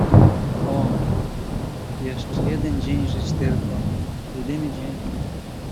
"O, jeszcze jeden dzień żyć tylko, jedyny dzień!"